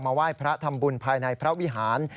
ไหว้พระทำบุญภายในพระวิหาร